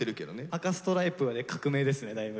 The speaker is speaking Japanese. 赤ストライプは革命ですねだいぶ。